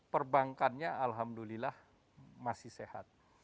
perbankannya alhamdulillah masih sehat